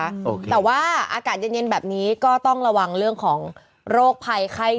โอ้โหแต่ว่าอากาศเย็นเย็นแบบนี้ก็ต้องระวังเรื่องของโรคภัยไข้